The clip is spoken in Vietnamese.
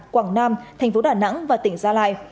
quảng nam thành phố đà nẵng và tỉnh gia lai